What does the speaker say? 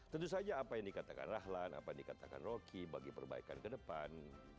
tentu saja apa yang dikatakan rahlan apa yang dikatakan rocky bagi perbaikan ke depan